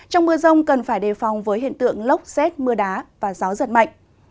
trong mưa rông cần phải đề phòng với hiện tượng lốc xét mưa đá và gió giật mạnh